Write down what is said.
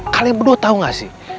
kalian berdua tahu gak sih